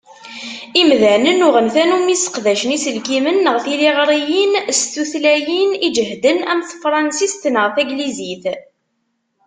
Imdanen, uɣen tannumi sseqdacen iselkimen neɣ tiliɣriyin s tutlayin iǧehden am tefransist neɣ taglizit.